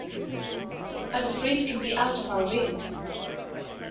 "I'm afraid it will be out of our way."